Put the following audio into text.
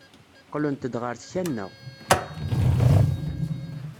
Qqlent-d ɣer tkanna.